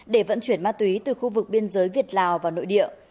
để vận chuyển ma túy từ khu vực biên giới việt lào vào nội địa